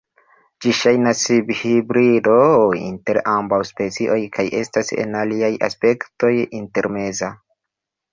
Ĝi ŝajnas hibrido inter ambaŭ specioj, kaj estas en aliaj aspektoj intermeza.